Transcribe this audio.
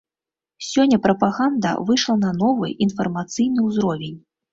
Сёння прапаганда выйшла на новы, інфармацыйны ўзровень.